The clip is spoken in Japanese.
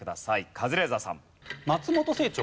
カズレーザーさん。